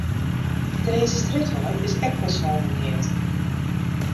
De Grinzerstrjitwei is ek folslein blokkeard.